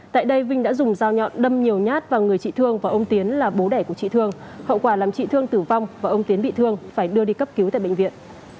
tại đây vinh đã dùng dao nhọn đâm nhiều nhát vào người chị thương và ông tiến là bố đẻ của chị thương hậu quả làm chị thương tử vong và ông tiến bị thương phải đưa đi cấp cứu tại bệnh viện